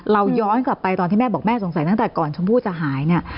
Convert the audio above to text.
ย้อนกลับไปตอนที่แม่บอกแม่สงสัยตั้งแต่ก่อนชมพู่จะหายเนี่ย